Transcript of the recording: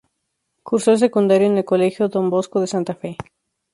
Cursó el secundario en el Colegio Don Bosco de Santa Fe.